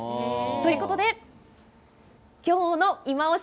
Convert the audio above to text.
ということで今日のいまオシ！